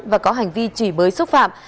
và có hành vi chỉ bới xúc phạm